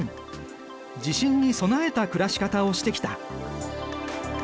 地震に備えた暮らし方をしてきた。